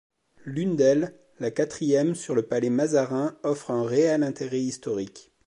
L'une d'elles, la quatrième, sur le Palais Mazarin, offre un réel intérêt historique.